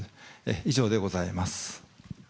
以上でございます。